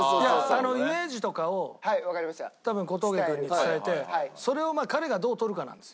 イメージとかを多分小峠君に伝えてそれを彼がどう取るかなんです。